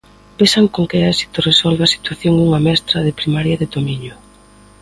Vexan con que éxito resolve a situación unha mestra de primaria de Tomiño.